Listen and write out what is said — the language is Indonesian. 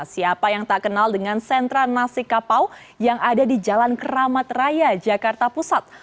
siapa yang tak kenal dengan sentra nasi kapau yang ada di jalan keramat raya jakarta pusat